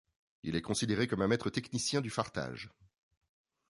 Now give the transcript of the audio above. Il est considéré comme un maître technicien du fartage.